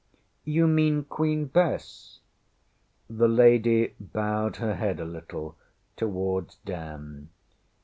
ŌĆśYou mean Queen Bess? ŌĆÖ The lady bowed her head a little towards Dan.